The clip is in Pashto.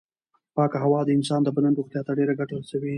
پاکه هوا د انسان د بدن روغتیا ته ډېره ګټه رسوي.